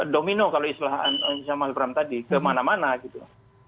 domino kalau istilah mas bram tadi kemana mana gitu